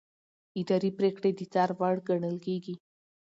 اداري پریکړې د څار وړ ګڼل کېږي.